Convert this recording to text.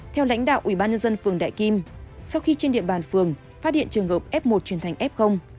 theo lãnh đạo ủy ban nhân dân phường đại kim sau khi trên địa bàn phường phát hiện trường hợp f một truyền thành f